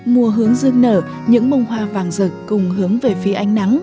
mùa hướng dương nở những mông hoa vàng rực cùng hướng về phía ánh nắng